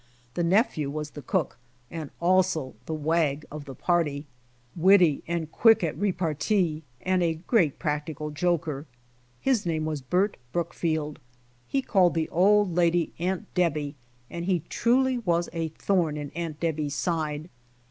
The nephew was the cook, and also the wag of the party, witty and quick at repartee, and a great practical joker. His name was Bert Brookfield. He called the old lady Aunt Debby and he truly was a thorn in Aunt Debby's side.